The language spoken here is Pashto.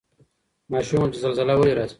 ماشوم وویل چي زلزله ولي راځي؟